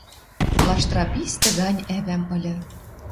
Лаштыра пистӹ гань ӓвӓм ыльы